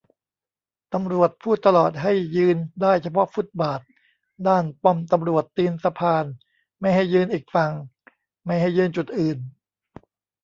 ตำรวจพูดตลอดให้ยืนได้เฉพาะฟุตบาทด้านป้อมตำรวจตีนสะพาน ไม่ให้ยืนอีกฝั่ง ไม่ให้ยืนจุดอื่น